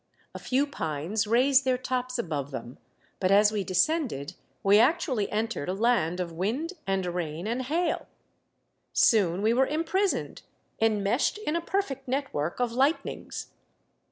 A few pines raised their tops above them, but as we descended we actually entered a land of wind and rain and hail. Soon we were imprisoned, enmeshed in a perfect network of lightnings.